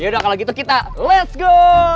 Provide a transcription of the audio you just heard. yaudah kalau gitu kita let's go